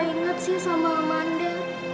masuk mama gak inget sih sama amanda